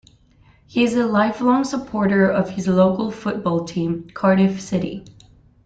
He is a lifelong supporter of his local football team Cardiff City.